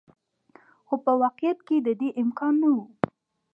خو په واقعیت کې د دې امکان نه و.